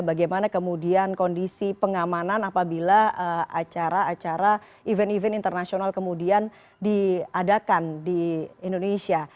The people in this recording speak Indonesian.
bagaimana kemudian kondisi pengamanan apabila acara acara event event internasional kemudian diadakan di indonesia